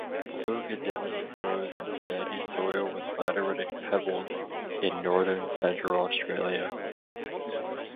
Blue goodenia grows in sandy soil with lateritic pebbles in northern central Australia.